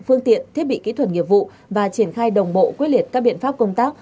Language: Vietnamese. phương tiện thiết bị kỹ thuật nghiệp vụ và triển khai đồng bộ quyết liệt các biện pháp công tác